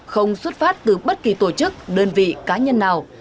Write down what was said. không xuất phát từ bất kỳ tổ chức đơn vị cá nhân nào